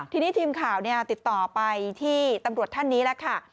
ทีนี้ทีมข่าวติดต่อไปที่ตำรวจท่านนี้แล้วค่ะ